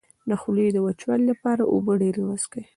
د خولې د وچوالي لپاره اوبه ډیرې وڅښئ